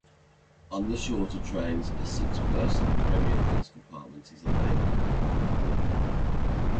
On the shorter trains, a six-person Premier Class compartment is available.